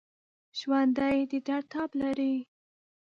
ژوندي د درد تاب لري